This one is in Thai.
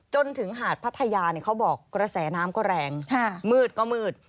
จนถึงหาดพัทยาเขาบอกกระแสน้ำก็แรงมืดก็มืด